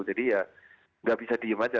jadi ya nggak bisa diem aja